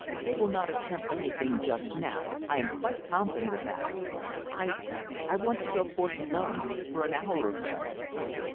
They will not attempt anything just now. I am quite confident of that. I I want to go forth alone, for an hour or so."